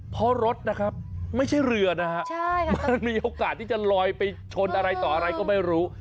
เพราะรถนะครับไม่ใช่เรือนะฮะมันมีโอกาสที่จะลอยไปชนอะไรต่ออะไรก็ไม่รู้